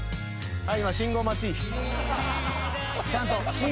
はい！